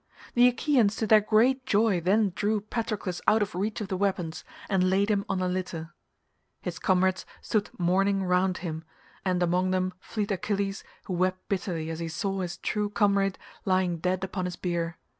The Achaeans to their great joy then drew Patroclus out of reach of the weapons, and laid him on a litter: his comrades stood mourning round him, and among them fleet Achilles who wept bitterly as he saw his true comrade lying dead upon his bier.